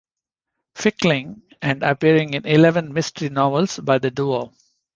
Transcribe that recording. Fickling, and appearing in eleven mystery novels by the duo.